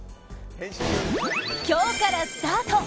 今日からスタート。